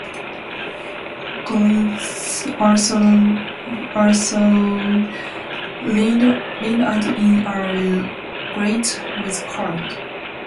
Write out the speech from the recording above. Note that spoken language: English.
Collins also lined out in all grades with Cork.